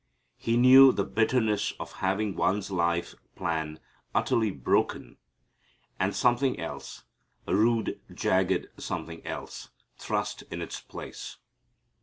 He knew the bitterness of having one's life plan utterly broken and something else a rude jagged something else thrust in its place.